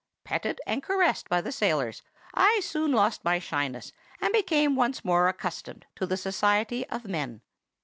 Petted and caressed by the sailors, I soon lost my shyness, and became once more accustomed to the society of men.